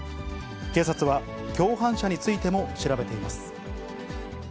警察は、共犯者についても調べています。